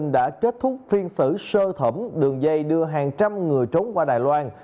đã kết thúc phiên xử sơ thẩm đường dây đưa hàng trăm người trốn qua đài loan